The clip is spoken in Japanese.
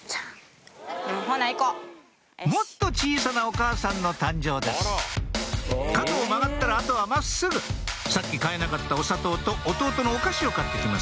もっと小さなお母さんの誕生です角を曲がったらあとは真っすぐさっき買えなかったお砂糖と弟のお菓子を買って来ます